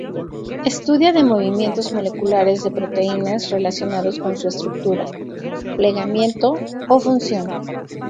Estudia de movimientos moleculares de proteínas relacionados con su estructura, plegamiento o función.